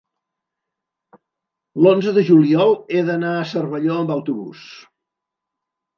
l'onze de juliol he d'anar a Cervelló amb autobús.